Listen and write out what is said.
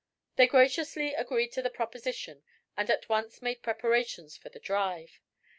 They graciously agreed to the proposition and at once made preparations for the drive.